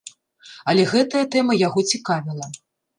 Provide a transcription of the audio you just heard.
Але гэтая тэма яго цікавіла.